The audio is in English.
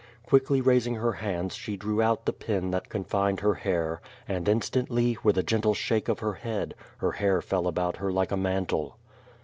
Quickly raising her hands she drew out the pin that confined her hair, and instantly, with a gentle shake of her head, her hair fell about her like a mantle.